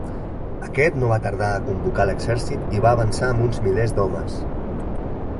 Aquest no va tardar a convocar l'exèrcit i va avançar amb uns milers d'homes.